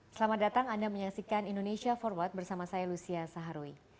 selamat datang anda menyaksikan indonesia forward bersama saya lucia saharwi